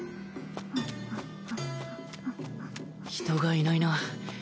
人がいないな。